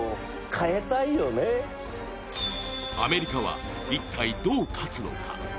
アメリカは一体どう勝つのか。